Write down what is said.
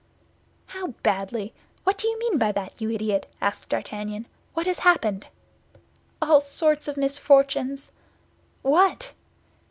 "How, badly? What do you mean by that, you idiot?" asked D'Artagnan. "What has happened?" "All sorts of misfortunes." "What?"